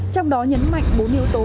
trong đó nhấn mạnh bốn yếu tố